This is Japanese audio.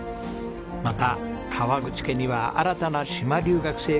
また川口家には新たな島留学生がやって来ます。